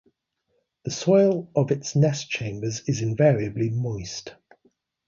The soil of its nest chambers is invariably moist.